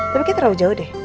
tapi terlalu jauh deh